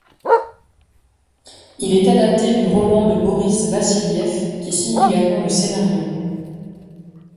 Il est adapté du roman de Boris Vassiliev qui signe également le scénario.